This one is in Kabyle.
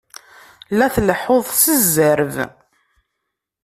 La tleḥḥuḍ s zzerb!